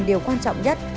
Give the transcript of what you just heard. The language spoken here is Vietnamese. điều quan trọng nhất